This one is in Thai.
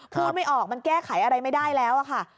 ไม่ออกมันแก้ไขอะไรไม่ได้แล้วค่ะ